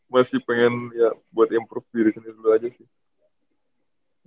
masih pengen ya buat improve diri sendiri dulu aja sih